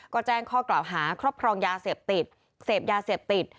ก็แจ้งข้อกล่าวหาครอบครองยาเสพติดเสพยาเสพติด